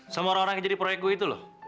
sama orang orang yang jadi proyek gue itu loh